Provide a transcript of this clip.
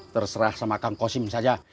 terserah sama kang kosim saja